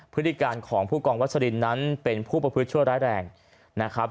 พฤติการของผู้กองวัชรินนั้นเป็นผู้ประพฤติชั่วร้ายแรงนะครับ